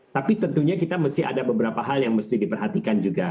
tapi tentunya kita mesti ada beberapa hal yang mesti diperhatikan juga